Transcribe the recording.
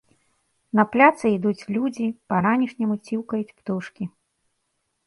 На пляцы ідуць людзі, па-ранішняму ціўкаюць птушкі.